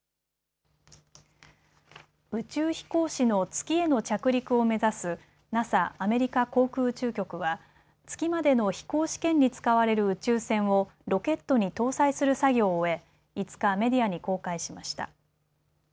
宇宙飛行士の月への着陸を目指すＮＡＳＡ・アメリカ航空宇宙局は月までの飛行試験に使われる宇宙船をロケットに搭載する作業を終え５日、メディアに公開しました。